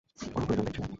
কোনো প্রয়োজন দেখছি না।